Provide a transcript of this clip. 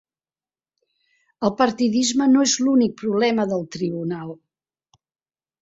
El partidisme no és l’únic problema del tribunal.